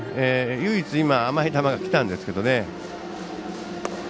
唯一、甘い球がきたんですけどね。